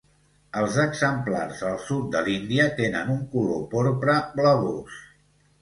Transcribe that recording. Els exemplars al sud de l'Índia tenen un color porpra blavós.